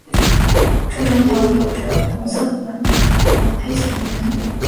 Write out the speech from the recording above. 这种鸟有着红色的短腿和黑色的喙。